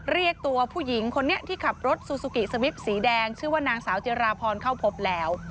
เรียกตัวผู้หญิงคนนี้ที่ขับรถซูซูกิสมิปสีแดงชื่อว่านางสาวจิราพรเข้าพบแล้ว